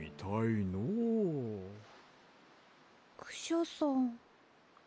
クシャさん。